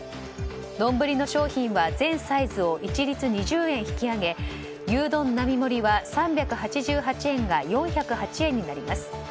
丼の商品は全サイズを一律２０円引き上げ牛丼並盛は３８８円が４０８円になります。